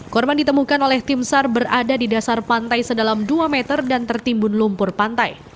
korban ditemukan oleh tim sar berada di dasar pantai sedalam dua meter dan tertimbun lumpur pantai